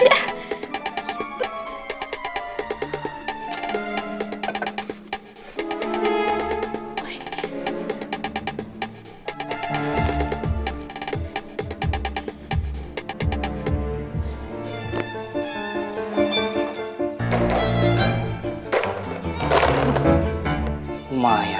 bayang bayang terus mukanya